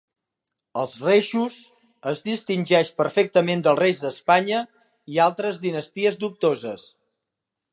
"Els Reixos" es distingeix perfectament dels Reis d'Espanya i altres dinasties dubtoses.